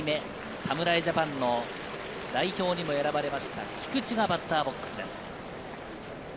侍ジャパンの代表にも選ばれた菊池がバッターボックスです。